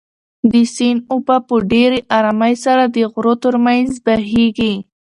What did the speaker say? د سیند اوبه په ډېرې ارامۍ سره د غرو تر منځ بهېږي.